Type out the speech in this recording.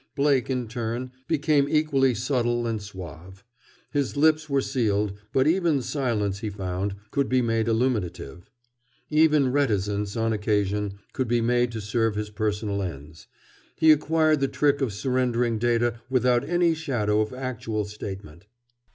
Blake, in turn, became equally subtle and suave. His lips were sealed, but even silence, he found, could be made illuminative. Even reticence, on occasion, could be made to serve his personal ends. He acquired the trick of surrendering data without any shadow of actual statement.